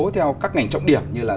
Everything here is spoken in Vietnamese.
theo các ngành trọng điểm như là